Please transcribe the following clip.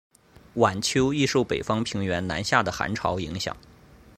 晚秋易受北方平原南下的寒潮影响。